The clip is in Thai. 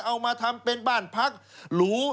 เอามาทำเป็นบ้านพักหรู